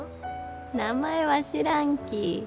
名前は知らんき。